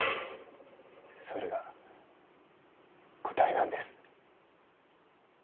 それが答えなんです。